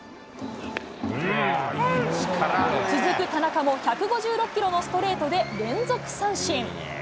続く田中も１５６キロのストレートで、連続三振。